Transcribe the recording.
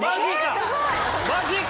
マジか！